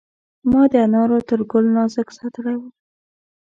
ما د انارو تر ګل نازک ساتلی و.